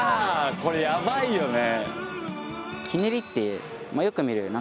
これやばいよね。